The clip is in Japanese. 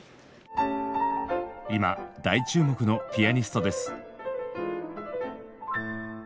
今大注目のピアニストです。